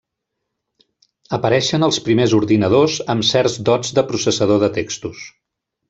Apareixen els primers ordinadors amb certs dots de processador de textos.